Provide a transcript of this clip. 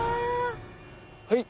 はい